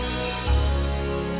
saya terpaksa ngelakuin semua ini